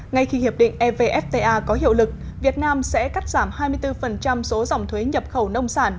ngay khi hiệp định evfta có hiệu lực việt nam sẽ cắt giảm hai mươi bốn số dòng thuế nhập khẩu nông sản